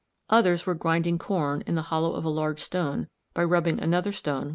Others were grinding corn in the hollow of a large stone by rubbing another stone within it.